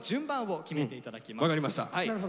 分かりました。